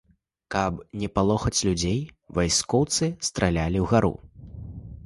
Каб напалохаць людзей, вайскоўцы стралялі ўгару.